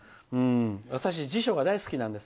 「私、辞書が大好きなんです。